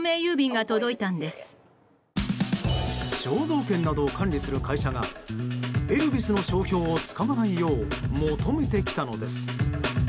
肖像権などを管理する会社がエルビスの商標を使わないよう求めてきたのです。